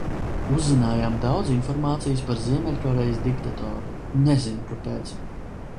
Uzzinājām daudz informācijas par Ziemeļkorejas diktatoru, nezinu, kāpēc.